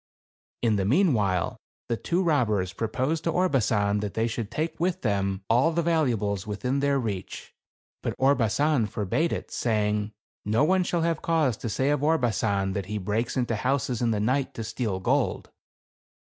In the meanwhile the two robbers proposed to Orbasan that they should take with them all the valuables within their reach; but Orbasan for bade it, saying, "No one shall have cause to say 188 THE CAE AVAN. of Orbasan that he breaks into houses in the night, to steal gold."